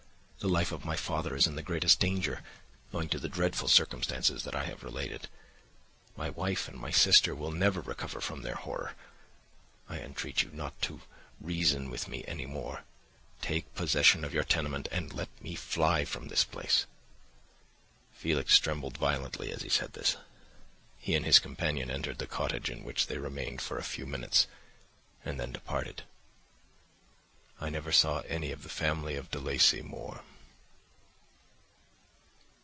The life of my father is in the greatest danger, owing to the dreadful circumstance that I have related. My wife and my sister will never recover from their horror. I entreat you not to reason with me any more. Take possession of your tenement and let me fly from this place.' "Felix trembled violently as he said this. He and his companion entered the cottage, in which they remained for a few minutes, and then departed. I never saw any of the family of De Lacey more.